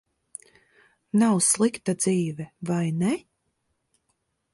Nav slikta dzīve, vai ne?